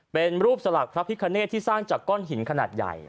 เป็นรูปสลักพระพิคเนตที่สร้างจากก้อนหินขนาดใหญ่